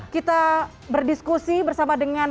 kita berdiskusi bersama dengan